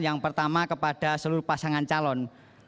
yang pertama kepada seluruh pasangan calon